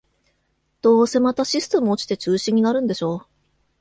どうせまたシステム落ちて中止になるんでしょ